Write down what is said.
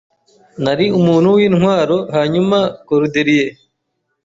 Nari umuntu wintwaro hanyuma Cordelier